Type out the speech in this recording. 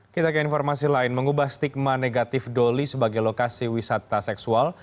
kita ke informasi lain mengubah stigma negatif doli sebagai lokasi wisata seksual